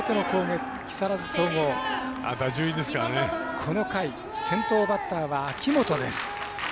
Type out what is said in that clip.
この回、先頭バッターは秋元です。